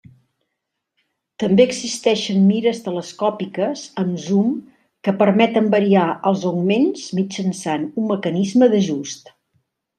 També existeixen mires telescòpiques amb zoom que permeten variar els augments mitjançant un mecanisme d'ajust.